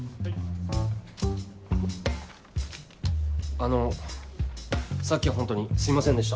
あのさっきはホントにすいませんでした。